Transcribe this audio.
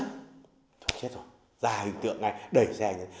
phải chết rồi ra hình tượng này đẩy xe này